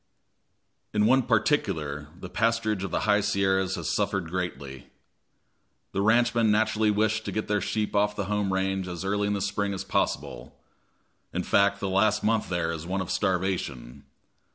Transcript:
In one particular the pasturage of the high Sierras has greatly suffered. The ranchmen naturally wish to get their sheep off the home range as early in the spring as possible in fact, the last month there is one of starvation.